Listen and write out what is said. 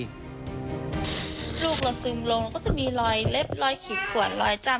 ลูกลดซึมลงแล้วก็จะมีรอยเล็บรอยขีดขวนรอยจำ